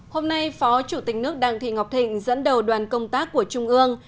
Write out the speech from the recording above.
hôm nay phó chủ tịch nước đặng thị ngọc thịnh dẫn đầu đoàn công tác của trung ương